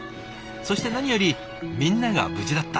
そして何よりみんなが無事だった。